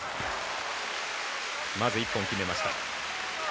まず１本決めました。